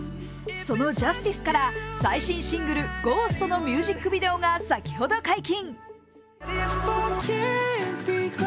その「ジャスティス」から最新シングル「ゴースト」のミュージックビデオが先ほど解禁。